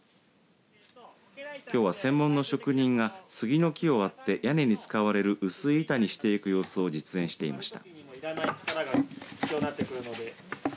きょうは専門の職人が杉の木を割って屋根に使われる薄い板にしていく様子を実演していました。